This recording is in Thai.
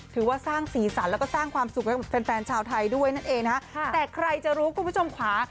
ถือว่าสร้างสีสันแล้วก็สร้างความสุขให้กับแฟนแฟนชาวไทยด้วยนั่นเองนะฮะแต่ใครจะรู้คุณผู้ชมขวา